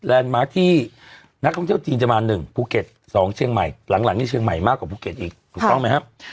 อันนี้เชียงใหม่มากกว่าภูเกษอีกถูกต้องไหมครับ